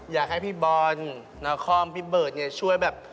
อยากให้พี่บอลนครพี่เบิร์ตช่วยแบบ